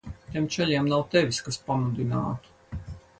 Tiem čaļiem nav tevis, kas pamudinātu.